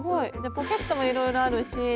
ポケットもいろいろあるし。